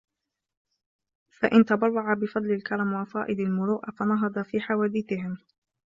فَإِنْ تَبَرَّعَ بِفَضْلِ الْكَرَمِ وَفَائِضِ الْمُرُوءَةِ فَنَهَضَ فِي حَوَادِثِهِمْ